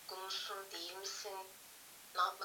wakati kanali gaddafi akiapa kufa na wananchi wake